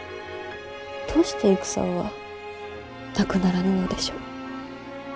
どうして戦はなくならぬのでしょう。